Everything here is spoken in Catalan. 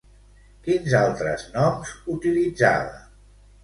Quins altres noms utilitzava?